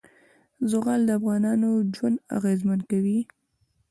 زغال د افغانانو ژوند اغېزمن کوي.